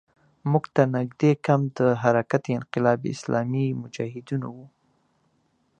موږ ته نږدې کمپ د حرکت انقلاب اسلامي مجاهدینو وو.